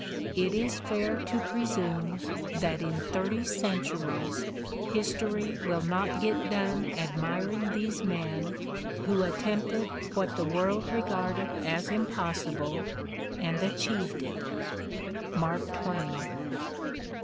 It is fair to presume that in thirty centuries history will not get done admiring these men who attempted what the world regarded as impossible and achieved it. Mark Tvs^ain.